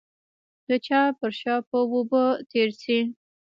د چا پر شا به اوبه تېرې شي.